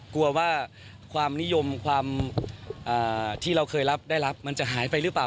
กลัวว่าความนิยมความที่เราเคยรับได้รับมันจะหายไปหรือเปล่า